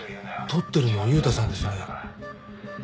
撮ってるのは悠太さんですね。